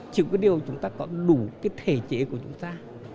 chỉ có điều chúng ta có đủ cái thể chế của chúng ta